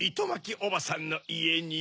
おばさんのいえに？